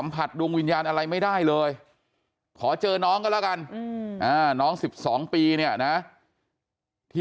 แต่หมอปลาบอกจักรยานยนต์ก็ไม่มีผี